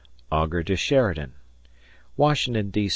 [Augur to Sheridan] Washington, D.